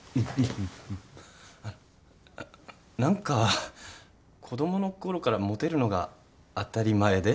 あの何か子供の頃からモテるのが当たり前で？